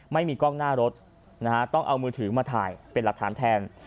ไม่มีกล้องหน้ารถนะฮะต้องเอามือถือมาถ่ายเป็นหลักฐานแทน